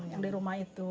yang di rumah itu